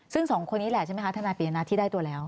ซึ่งสองคนนี้แหละใช่ไหมคะทนายปียนัทที่ได้ตัวแล้ว